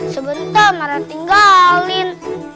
sebentar mana tinggalin